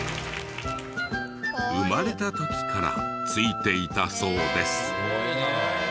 生まれた時から付いていたそうです。